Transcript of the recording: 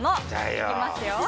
行きますよ。